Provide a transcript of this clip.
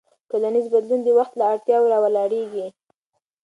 ټولنیز بدلون د وخت له اړتیاوو راولاړېږي.